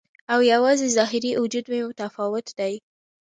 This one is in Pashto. او یوازې ظاهري وجود مې متفاوت دی